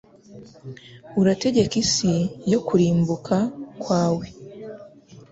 Urategeka isi yo kurimbuka kwawe